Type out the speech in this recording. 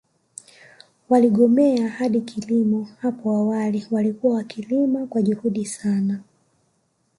Waligomea hadi kilimo hapo awali walikuwa wakilima kwa juhudi sana